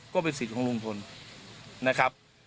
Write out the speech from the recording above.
ก็เป็นสิทธิ์ของลุงพลนะครับ